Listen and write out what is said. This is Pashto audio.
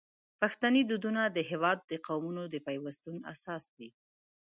پښتني دودونه د هیواد د قومونو د پیوستون اساس دی.